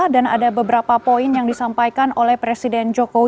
dan ada beberapa poin yang disampaikan oleh presiden jokowi